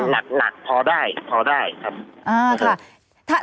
แต่หลักพอได้พอได้ครับ